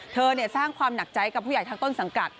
สร้างความหนักใจกับผู้ใหญ่ทางต้นสังกัด